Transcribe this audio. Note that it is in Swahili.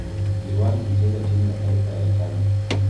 Aliwahi kucheza timu ya taifa ya Italia.